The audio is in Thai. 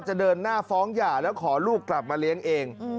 เดินหน้าฟ้องหย่าแล้วขอลูกกลับมาเลี้ยงเอง